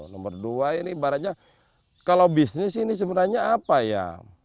nomor dua ini ibaratnya kalau bisnis ini sebenarnya apa ya